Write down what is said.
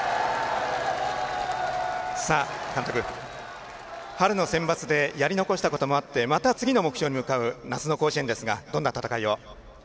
監督、春のセンバツでやり残したこともあってまた次の目標に向かう夏の甲子園ですがどんな戦いを？